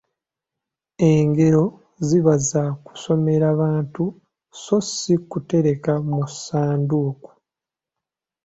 Engero ziba za kusomera bantu so si kutereka mu ssanduuko.